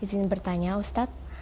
izin bertanya ustadz